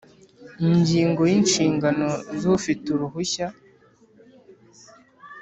Ingingo ya Inshingano z ufite uruhushya